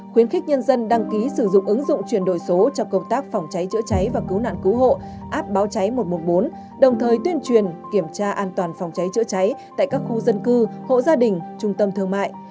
khuyến khích nhân dân đăng ký sử dụng ứng dụng chuyển đổi số trong công tác phòng cháy chữa cháy và cứu nạn cứu hộ app báo cháy một trăm một mươi bốn đồng thời tuyên truyền kiểm tra an toàn phòng cháy chữa cháy tại các khu dân cư hộ gia đình trung tâm thương mại